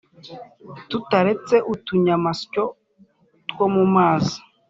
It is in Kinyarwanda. tutaretse utunyamasyo two mu mazi